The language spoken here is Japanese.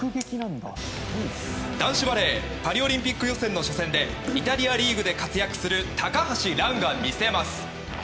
男子バレーパリオリンピック予選の初戦でイタリアリーグで活躍する高橋藍が見せます！